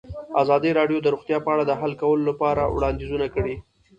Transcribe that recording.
ازادي راډیو د روغتیا په اړه د حل کولو لپاره وړاندیزونه کړي.